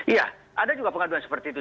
iya ada juga pengaduan seperti itu